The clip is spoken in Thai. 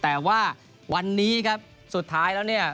แต่ว่าวันนี้สุดท้ายธและ